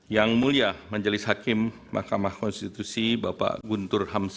yang mulia majelis hakim mahkamah konstitusi bapak guntur hamzah